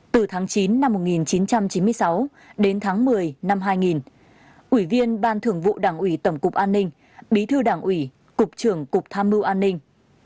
từ tháng chín năm một nghìn chín trăm chín mươi sáu đến tháng một mươi năm hai nghìn ủy viên ban thường vụ đảng ủy tổng cục an ninh bí thư đảng ủy cục trưởng cục tham mưu an ninh